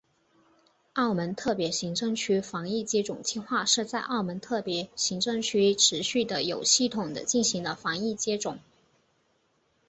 澳门特别行政区防疫接种计划是在澳门特别行政区持续地有系统地进行的防疫接种。